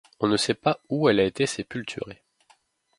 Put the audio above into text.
On ne sait pas où elle a été sépulturée.